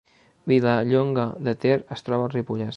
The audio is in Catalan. Vilallonga de Ter es troba al Ripollès